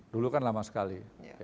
dulu kan lama sekali